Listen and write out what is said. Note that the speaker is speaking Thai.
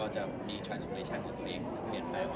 จะมีไปวายกันนะครับ